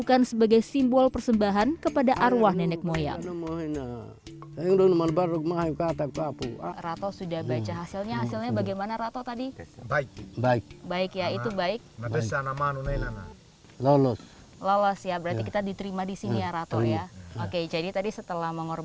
kampung adat praijing